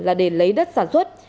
là để lấy đất sản xuất